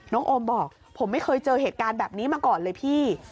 โอมบอกผมไม่เคยเจอเหตุการณ์แบบนี้มาก่อนเลยพี่